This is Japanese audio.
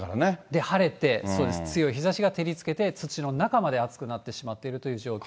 で、晴れて、強い日ざしが照りつけて、土の中まで熱くなってしまっているという状況。